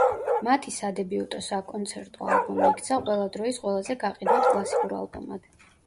მათი სადებიუტო საკონცერტო ალბომი იქცა ყველა დროის ყველაზე გაყიდვად კლასიკურ ალბომად.